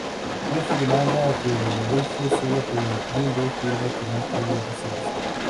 Luffy demanda que lo deje solo, pero Jinbe afirma que no puede hacer eso.